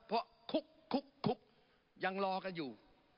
เพราะคุกคุกคุกยังรอกันอยู่